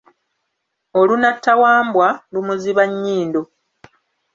Olunatta wambwa, lumuziba nnyindo.